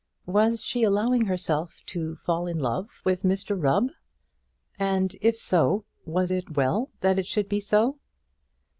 Was she allowing herself to fall in love with Mr Rubb, and if so, was it well that it should be so?